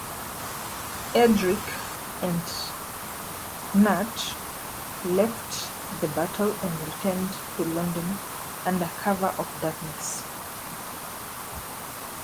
Eadric and Cnut left the battle and returned to London under cover of darkness.